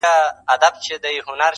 پر سر یو بل له ګرېوانه رانیولي